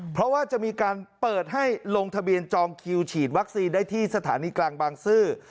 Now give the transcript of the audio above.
เพราะว่าจะมีการเปิดให้ลงทะเบียนจองคิวฉีดวัคซีนได้ที่สถานีกลางบางซื่อ